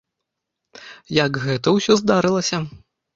Як гэта ўсё здарылася.